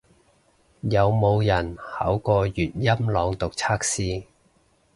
有冇人考過粵音朗讀測試